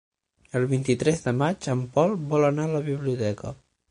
El vint-i-tres de maig en Pol vol anar a la biblioteca.